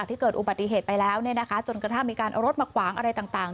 เกิดอุบัติเหตุไปแล้วจนกระทั่งมีการเอารถมาขวางอะไรต่าง